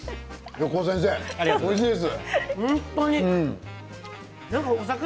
横尾先生、おいしいです。